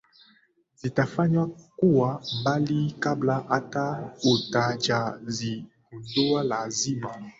zitafanya kuwa mbali kabla hata hatujazigundua Lazima